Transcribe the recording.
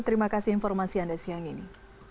terima kasih informasi anda siang ini